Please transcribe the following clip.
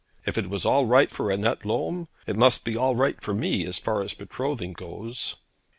If it was all right for Annette Lolme, it must be all right for me as far as betrothing goes.'